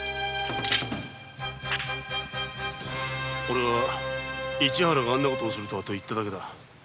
おれは市原があんな事をするとはと言っただけだ。